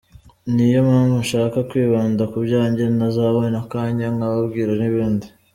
niyo mpamvu nshaka kwibanda kubyanjye nazabona akanya nkababwira n’ibindi.